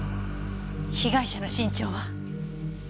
被害者の身長は？